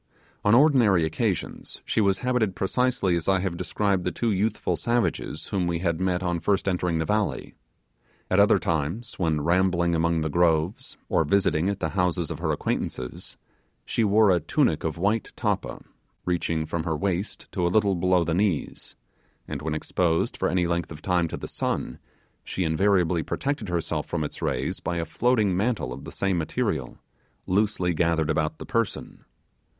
On ordinary occasions she was habited precisely as I have described the two youthful savages whom we had met on first entering the valley. At other times, when rambling among the groves, or visiting at the houses of her acquaintances, she wore a tunic of white tappa, reaching from her waist to a little below the knees; and when exposed for any length of time to the sun, she invariably protected herself from its rays by a floating mantle of the same material, loosely gathered about the person.